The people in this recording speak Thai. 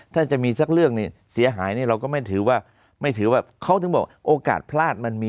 ถ้าจะมีสักเรื่องเนี่ยเสียหายนี่เราก็ไม่ถือว่าไม่ถือว่าเขาถึงบอกโอกาสพลาดมันมี